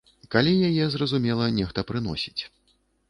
Калі яе, зразумела, нехта прыносіць.